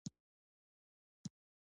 زده کړه نجونو ته د مرستې رسولو لارې ښيي.